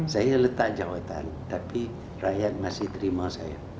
saya letak jawatan tapi rakyat masih terima saya